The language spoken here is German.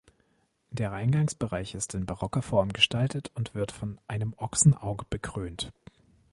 Der Eingangsbereich ist in barocker Form gestaltet und wird von einem Ochsenauge bekrönt.